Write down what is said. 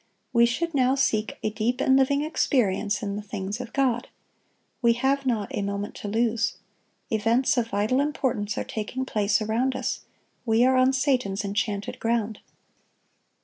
We should now seek a deep and living experience in the things of God. We have not a moment to lose. Events of vital importance are taking place around us; we are on Satan's enchanted ground.